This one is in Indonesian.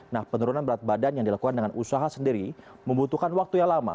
nah penurunan berat badan yang dilakukan dengan usaha sendiri membutuhkan waktu yang lama